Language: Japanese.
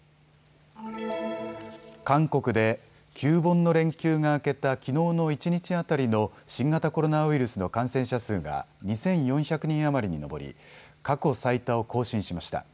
韓国で旧盆の連休が明けたきのうの一日当たりの新型コロナウイルスの感染者数が２４００人余りに上り過去最多を更新しました。